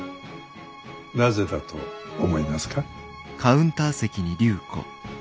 なぜだと思いますか？